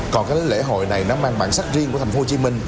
còn cái lễ hội này nó mang bản sắc riêng của tp hcm